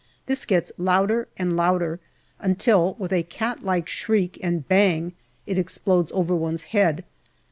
This gets louder and louder, until with a cat like shriek and bang it explodes over one's head.